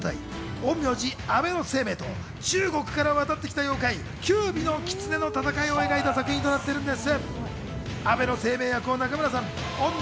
陰陽師・安倍晴明と中国から渡ってきた妖怪・九尾の狐の戦いを描いた作品となっているんです。